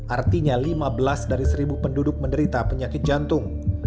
artinya lima belas dari seribu penduduk menderita penyakit jantung